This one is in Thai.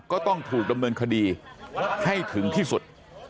ก็ต้องถูกดำเนินคดีให้ถึงที่สุด